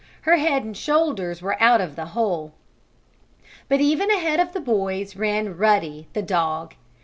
Her head and shoulders were out of the hole. But even ahead of the boys ran Ruddy, the dog.